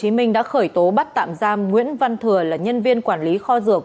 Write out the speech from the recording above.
huỳnh đã khởi tố bắt tạm giam nguyễn văn thừa là nhân viên quản lý kho dược